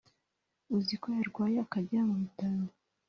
uziko yarwaye akajya mu bitaro